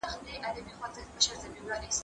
زه اجازه لرم چي درسونه تيار کړم